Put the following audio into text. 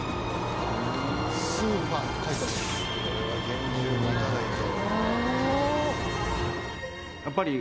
これは厳重にいかないと。